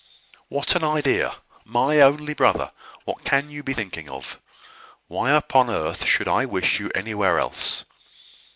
"What an idea! My only brother! What can you be thinking of? Why upon earth should I wish you anywhere else?"